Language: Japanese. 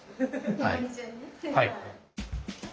はい。